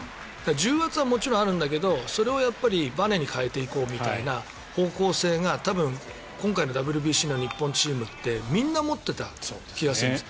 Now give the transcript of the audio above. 重圧はもちろんあるんだけどそれをばねに変えていこうみたいな方向性が多分、今回のＷＢＣの日本チームってみんな持っていた気がするんです。